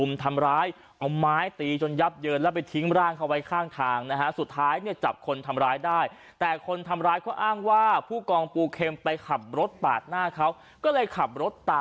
มาทำร้ายแต่ผู้กองบอกว่า